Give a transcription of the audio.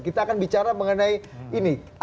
kita akan bicara mengenai ini